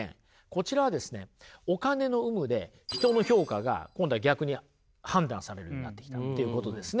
こちらはですねお金の有無で人の評価が今度は逆に判断されるようになってきたということですね。